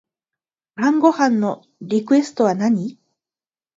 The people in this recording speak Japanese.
晩ご飯のリクエストは何